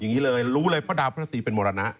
อย่างนี้เลยลูกเลยเพราะอดาลภฤษฎีเป็นบรรณะ